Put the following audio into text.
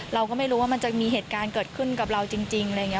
เราก็ไม่รู้ว่ามันจะมีเหตุการณ์เกิดขึ้นกับเราจริงอะไรอย่างนี้